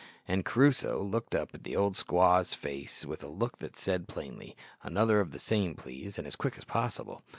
and Crusoe looked up in the old squaw's face with a look that said plainly, "Another of the same, please, and as quick as possible."